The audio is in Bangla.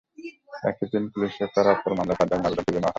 একই দিন পুলিশের করা অপর মামলায় তাঁর জামিন আবেদন ফিরিয়ে দেওয়া হয়।